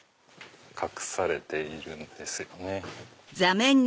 隠されているんですよね。